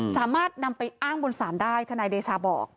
สามารถนำไปอ้างบนศาลได้ทนายเดชาบอก